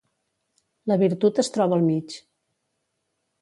La virtut es troba al mig.